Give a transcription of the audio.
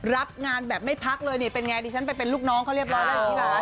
รับงานแบบไม่พักเลยนี่เป็นไงดิฉันไปเป็นลูกน้องเขาเรียบร้อยแล้วอยู่ที่ร้าน